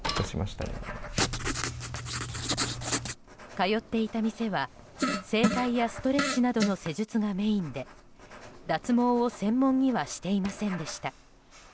通っていた店は整体やストレッチなどの施術がメインで脱毛を専門にはしていませんでした。